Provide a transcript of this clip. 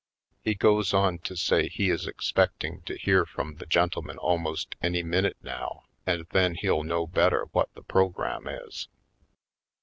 He goes on to say he is expecting to hear from the gentleman almost any minute now and then he'll know better what the pro gram is.